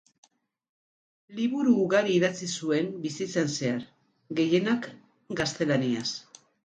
Liburu ugari idatzi zuen bizitzan zehar, gehienak gaztelaniaz.